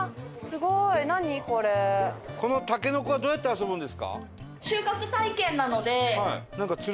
このタケノコはどうやって遊ぶんですか？